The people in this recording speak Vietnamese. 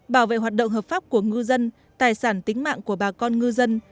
bảo vệ hoạt động hợp pháp của ngư dân tài sản tính mạng của bà con ngư dân